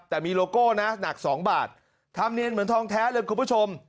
แต่มีโลโก้นะหนัก๒บาททำเนียนเหมือนทองแท้เลยคุณผู้ชม